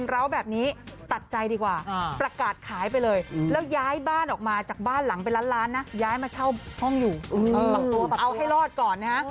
เอาให้รอดก่อนนะฮะ